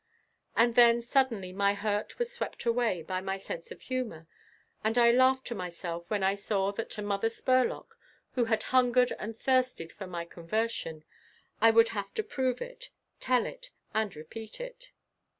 And then suddenly my hurt was swept away by my sense of humor and I laughed to myself when I saw that to Mother Spurlock, who had hungered and thirsted for my conversion, I would have to prove it, tell it and repeat it.